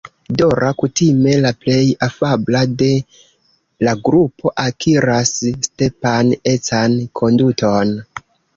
Dora, kutime la plej afabla de la grupo, akiras Stepan-ecan konduton.